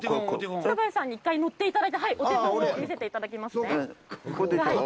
北林さんに１回、乗っていただいて、お手本を見せていただきますね。